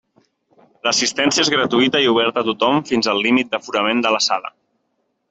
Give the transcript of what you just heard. L'assistència és gratuïta i oberta a tothom fins al límit d'aforament de la sala.